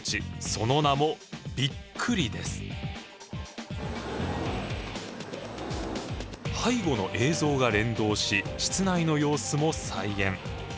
その名も背後の映像が連動し室内の様子も再現。